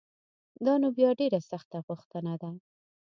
دا نو بیا ډېره سخته غوښتنه ده